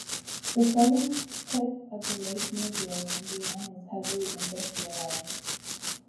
The southern tip of the lake near Gary, Indiana is heavily industrialized.